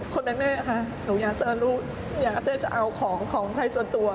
คนใบแม่ค่ะหนูอยากจะอาจจะเอาของของชายส่วนตัว